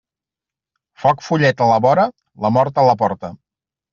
Foc follet a la vora, la mort a la porta.